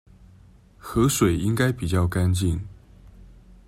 河水應該比較乾淨